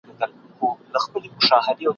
زه په داسي حال کي ..